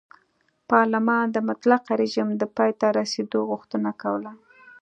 پارلمان د مطلقه رژیم د پای ته رسېدو غوښتنه کوله.